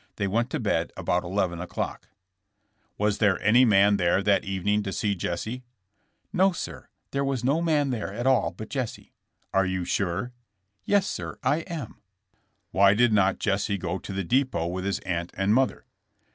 They went to bed about 11 o'clock. *'Was there any man there that evening to see Jesse ?'* *'No, sir; there was no man there at all but Jesse.'* Are you sure?" Yes, sir; I am." Why did not Jesse go to the depot with his aunt and mother."